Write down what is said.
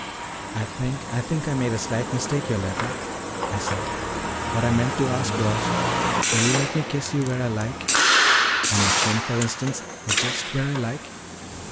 "I think I think I made a slight mistake, Yoletta," I said. "What I meant to ask was, will you let me kiss you where I like on your chin, for instance, or just where I like?"